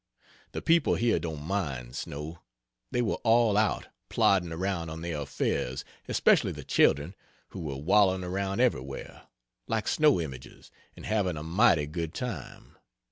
The people here don't mind snow; they were all out, plodding around on their affairs especially the children, who were wallowing around everywhere, like snow images, and having a mighty good time.